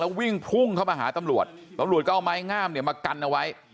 วิ่งพุ่งเข้ามาหาตำรวจตำรวจก็เอาไม้งามเนี่ยมากันเอาไว้